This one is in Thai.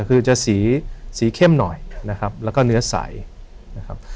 คือจะสีสีเข้มหน่อยนะครับแล้วก็เนื้อใสนะครับ